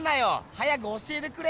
早く教えてくれ！